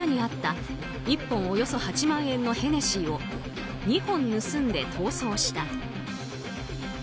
焦った様子で、棚の下にあった１本およそ８万円のヘネシーを２本盗んで逃走した。